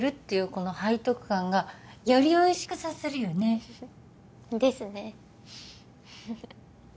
この背徳感がよりおいしくさせるよねですね